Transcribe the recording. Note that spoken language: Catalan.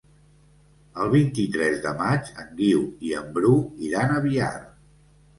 El vint-i-tres de maig en Guiu i en Bru iran a Biar.